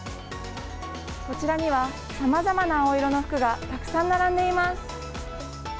こちらには、さまざまな青色の服がたくさん並んでいます。